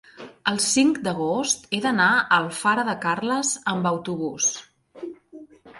el cinc d'agost he d'anar a Alfara de Carles amb autobús.